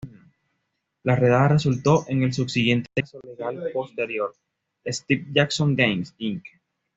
La redada resultó en el subsiguiente caso legal posterior "Steve Jackson Games, Inc.